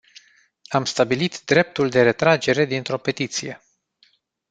Am stabilit dreptul de retragere dintr-o petiție.